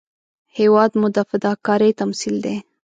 هېواد مو د فداکارۍ تمثیل دی